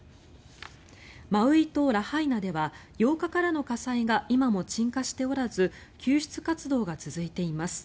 マウイ島・ラハイナでは８日からの火災が今も鎮火しておらず救出活動が続いています。